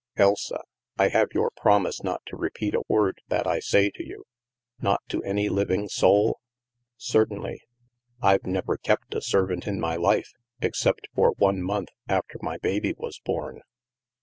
" Elsa, I have your promise not to repeat a word that I say to you? Not to any living soul? "" Certainly." " I've never kept a servant in my life, except for one month after my baby was born."